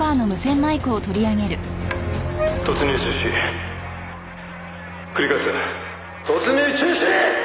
「突入中止」「繰り返す突入中止！！」